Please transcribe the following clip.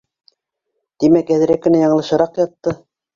Тимәк әҙерәк кенә яңылышыраҡ ятты.